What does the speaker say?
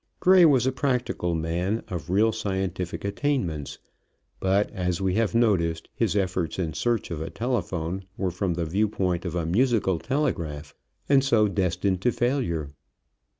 Gray was a practical man of real scientific attainments, but, as we have noticed, his efforts in search of a telephone were from the viewpoint of a musical telegraph and so destined to failure.